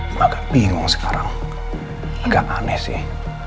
kita agak bingung sekarang agak aneh sih